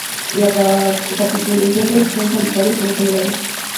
Las capitulescencias son solitarias con un tallo largo.